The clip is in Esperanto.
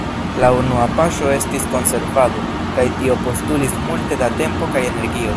La unua paŝo estis konservado, kaj tio postulis multe da tempo kaj energio.